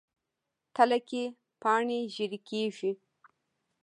تله کې پاڼې ژیړي کیږي.